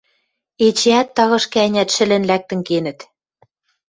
Эчеӓт тагышкы-ӓнят шӹлӹн лӓктӹн кенӹт.